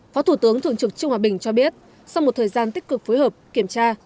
phó thủ tướng thường trực trương hòa bình cho biết sau một thời gian tích cực phối hợp kiểm tra